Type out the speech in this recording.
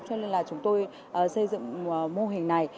cho nên là chúng tôi xây dựng mô hình này